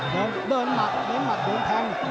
เดินหมัดเดินแผ่ง